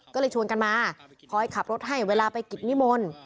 ก็เลยชวนกันมาคอยขับรถให้เวลาไปกิจนิมนต์